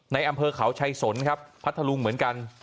ในอำเภอเขาชัยสนครับพัทธลุงเหมือนกัน